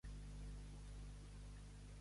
A mon pler.